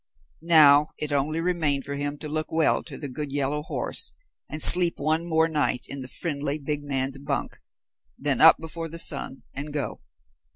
Now it only remained for him to look well to the good yellow horse and sleep one more night in the friendly big man's bunk, then up before the sun and go.